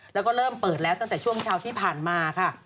แล้วก็เริ่มเปิดแล้วตั้งแต่ช่วงเช้าที่ผ่านมาค่ะ